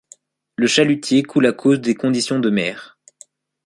Le chalutier coule à cause des conditions de mer.